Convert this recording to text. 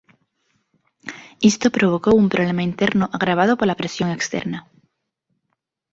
Isto provocou un problema interno agravado pola presión externa.